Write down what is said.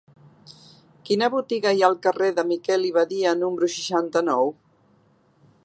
Quina botiga hi ha al carrer de Miquel i Badia número seixanta-nou?